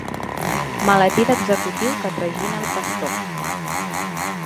Maletí d'executiu que tragina el pastor.